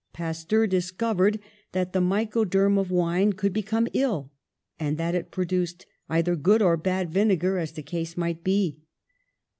Pasteur discovered that the mycoderm of wine could become ill and that it produced either good or bad vinegar as the case might be.